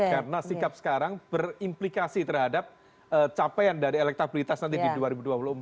karena sikap sekarang berimplikasi terhadap capaian dari elektabilitas nanti di dua ribu dua puluh empat